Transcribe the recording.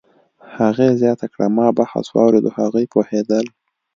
هغې زیاته کړه: "ما بحث واورېد، هغوی پوهېدل